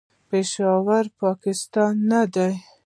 پېښور، پاکستان نه دی.